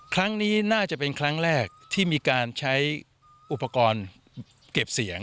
ครั้งนี้น่าจะเป็นครั้งแรกที่มีการใช้อุปกรณ์เก็บเสียง